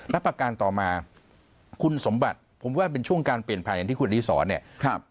และประการต่อมาคุณสมบัติผมว่าเป็นช่วงการเปลี่ยนผ่านอย่างที่คุณอดีศรเนี่ย